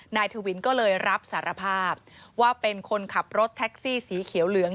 ทวินก็เลยรับสารภาพว่าเป็นคนขับรถแท็กซี่สีเขียวเหลือง